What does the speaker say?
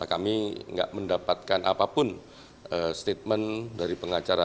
kami tidak mendapatkan apapun statement dari pengacara